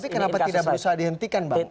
tapi kenapa tidak berusaha dihentikan bang